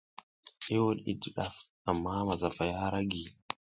I wuɗ i di ɗaf, amma masafaya ara giy.